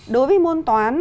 đối với môn toán